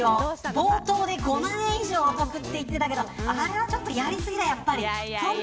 冒頭で５万円以上お得って言ってたけどあれはちょっとやり過ぎだよ、やっぱり。